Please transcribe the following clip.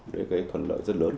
đấy là cái phần lợi rất lớn